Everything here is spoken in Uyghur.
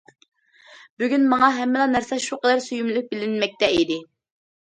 بۈگۈن ماڭا ھەممىلا نەرسە شۇ قەدەر سۆيۈملۈك بىلىنمەكتە ئىدى.